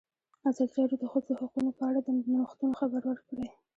ازادي راډیو د د ښځو حقونه په اړه د نوښتونو خبر ورکړی.